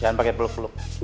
jangan pakai peluk peluk